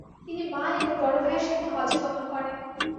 তিনি মা এবং বড় ভাইয়ের সাথে হজ্জে গমন করেন।